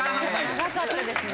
長かったですね